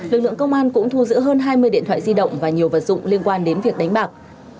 lực lượng công an cũng thu giữ hơn hai mươi điện thoại di động và nhiều vật dụng liên quan đến việc đánh bạc